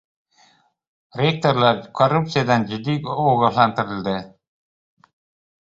Rektorlar korruptsiyadan jiddiy ogohlantirildi